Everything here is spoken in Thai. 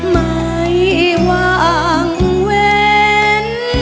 ไม่ว่างเมืองท้อง